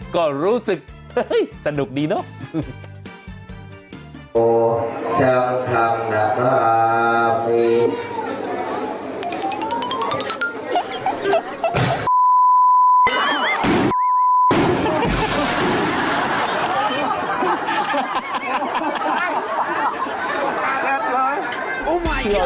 ก็รู้สึกสนุกดีเนาะ